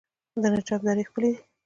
د نجراب درې ښکلې دي